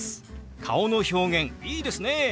顔の表現いいですね。